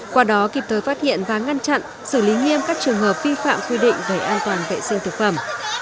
qua đó kịp thời phát hiện và ngăn chặn xử lý nghiêm các trường hợp vi phạm quy định về an toàn vệ sinh thực phẩm